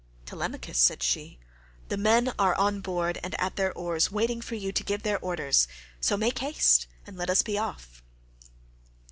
"Telemachus," said she, "the men are on board and at their oars, waiting for you to give your orders, so make haste and let us be off."